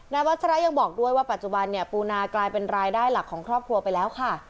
วัชระยังบอกด้วยว่าปัจจุบันเนี่ยปูนากลายเป็นรายได้หลักของครอบครัวไปแล้วค่ะ